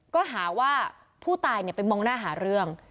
ก็หาว่าผู้ตายไปมองหน้าหาเรื่อง